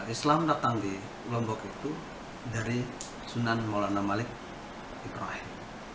islam datang di lombok itu dari sunan maulana malik ibrahim